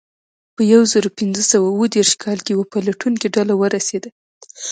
په یو زرو پینځه سوه اوه دېرش کال کې یوه پلټونکې ډله ورسېده.